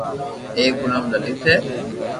ايڪ رو نوم لليت ھي